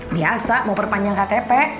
biasa mau perpanjang ktp